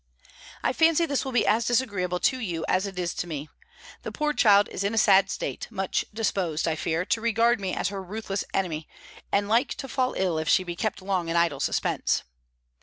"I fancy this will be as disagreeable to you as it is to me. The poor child is in a sad state, much disposed, I fear, to regard me as her ruthless enemy, and like to fall ill if she be kept long in idle suspense.